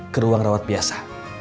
ke ruang rawat biasa